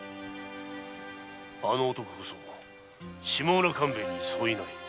あの男こそ下村勘兵衛に相違ない。